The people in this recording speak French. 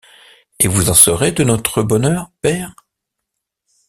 Et vous en serez, de notre bonheur, père?